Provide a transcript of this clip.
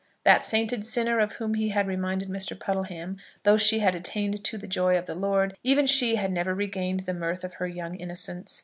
That sainted sinner of whom he had reminded Mr. Puddleham, though she had attained to the joy of the Lord, even she had never regained the mirth of her young innocence.